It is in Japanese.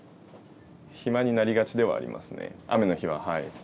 暇になりがちではありますね。